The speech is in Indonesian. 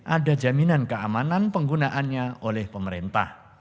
ada jaminan keamanan penggunaannya oleh pemerintah